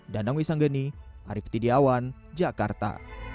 danang wisanggeni arief tidiawan jakarta